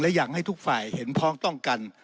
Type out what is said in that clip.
อยากให้ทุกฝ่ายเห็นพ้องต้องกัน